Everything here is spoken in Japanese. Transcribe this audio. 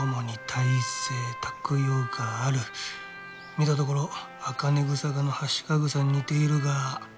見たところ茜草科のハシカグサに似ているが。